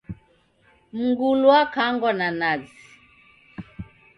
Mngulu wakangwa na nazi